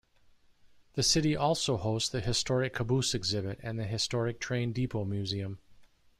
The city also hosts the Historic Caboose exhibit and the Historic Train Depot museum.